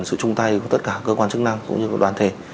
sự chung tay của tất cả cơ quan chức năng cũng như của đoàn thể